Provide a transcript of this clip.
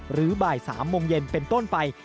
บ่าย๓โมงเย็นเป็นต้นไป